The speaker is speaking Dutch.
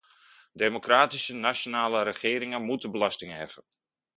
Democratische, nationale regeringen moeten belastingen heffen.